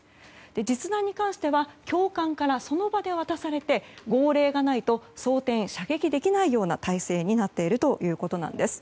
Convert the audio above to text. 実弾に関しては教官からその場で渡されて号令がないと装填・射撃できないような体制になっているということなんです。